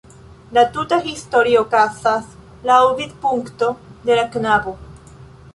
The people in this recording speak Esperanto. La tuta historio okazas laŭ vidpunkto de la knabo.